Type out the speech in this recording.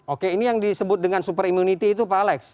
oke ini yang disebut dengan super immunity itu pak alex